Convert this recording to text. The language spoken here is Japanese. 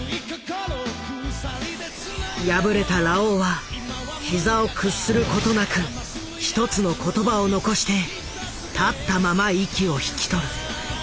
敗れたラオウは膝を屈することなく一つの言葉を残して立ったまま息を引き取る。